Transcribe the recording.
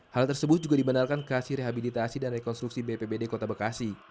hal tersebut juga dibenarkan kasih rehabilitasi dan rekonstruksi bpbd kota bekasi